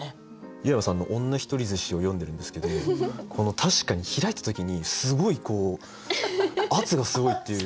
湯山さんの「女ひとり寿司」を読んでるんですけど確かに開いた時にすごいこう圧がすごいっていう。